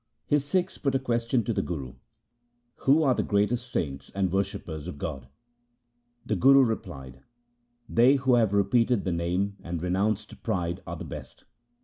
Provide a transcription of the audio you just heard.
His Sikhs put a question to the Guru :' Who are the greatest saints and worshippers of God ?' The Guru replied, ' They who have repeated the Name and renounced pride are the best.